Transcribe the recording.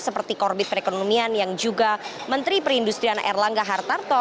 seperti korbit perekonomian yang juga menteri perindustrian erlangga hartarto